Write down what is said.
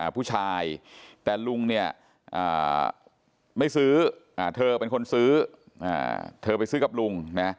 ผู้ชายแต่ลุงเนี่ยไม่ซื้อเธอเป็นคนซื้อเธอไปซื้อกับลุงนะ